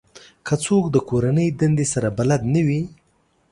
که څوک د کورنۍ دندې سره بلد نه وي